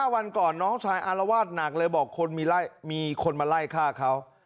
วันก่อนน้องชายอารวาสหนักเลยบอกคนมีคนมาไล่ฆ่าเขา